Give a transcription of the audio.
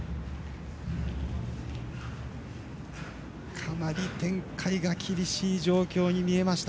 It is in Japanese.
かなり展開が厳しい状況に見えました。